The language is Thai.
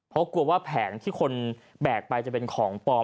เพราะกลัวว่าแผงที่คนแบกไปจะเป็นของปลอม